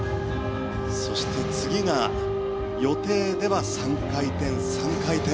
そして、次が予定では３回転、３回転。